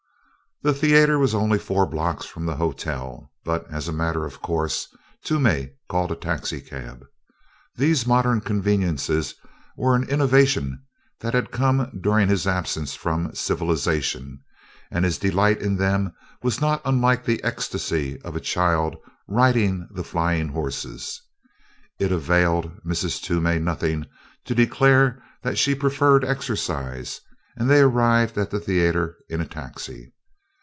The theater was only four blocks from the hotel, but, as a matter of course, Toomey called a taxicab. These modern conveniences were an innovation that had come during his absence from "civilization" and his delight in them was not unlike the ecstasy of a child riding the flying horses. It availed Mrs. Toomey nothing to declare that she preferred exercise and they arrived at the theater in a taxi.